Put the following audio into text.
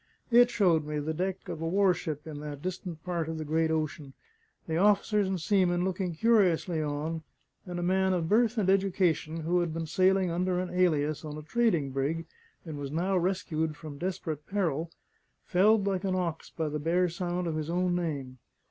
It showed me the deck of a warship in that distant part of the great ocean, the officers and seamen looking curiously on; and a man of birth and education, who had been sailing under an alias on a trading brig, and was now rescued from desperate peril, felled like an ox by the bare sound of his own name.